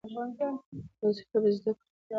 حوصله به زده کړې !